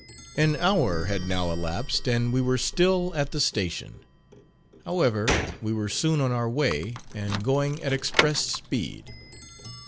An hour had now elapsed, and we were still at the station. However, we were soon on our way, and going at express speed.